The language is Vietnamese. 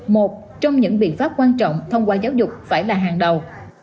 một trong những biện pháp quan trọng thông qua giáo dục phải là hàng đầu